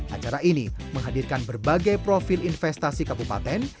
acara ini menghadirkan berbagai profil investasi kabupaten